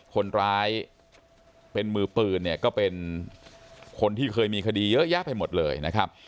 คนร้ายเป็นมือปืนเนี่ยก็เป็นคนที่เคยมีคดีเยอะแยะไปหมดเลยนะครับ